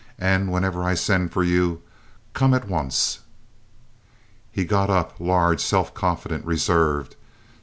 And whenever I send for you come at once." He got up, large, self confident, reserved.